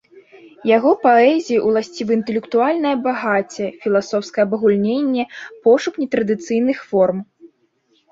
Яго паэзіі ўласцівы інтэлектуальнае багацце, філасофскае абагульненне, пошук нетрадыцыйных форм.